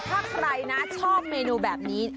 ถ้าใครนะชอบเมนูแบบนี้